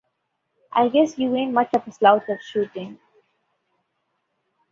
I guess you ain't much of a slouch at shooting.